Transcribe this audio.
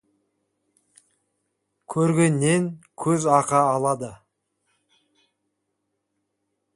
Көргеннен көз ақы алады.